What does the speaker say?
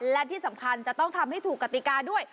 และที่สำคัญจะต้องทำให้ถูกกติกาด้วย